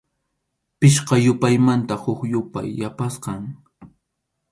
Pichqa yupaymanqa huk yupay yapasqam.